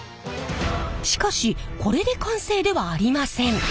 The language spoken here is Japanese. しかしこれで完成ではありません。